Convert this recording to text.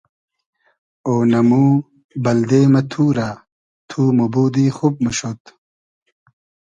اۉنئمو بئلدې مۂ تورۂ تو موبودی خوب موشود